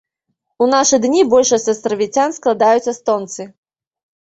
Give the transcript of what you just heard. У нашы дні большасць астравіцян складаюць эстонцы.